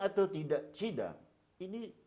atau tidak sidang ini